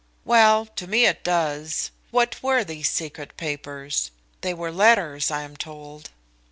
"Well, to me it does. What were these secret papers? They were letters, I am told."